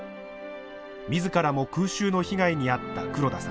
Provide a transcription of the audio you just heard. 自らも空襲の被害に遭った黒田さん。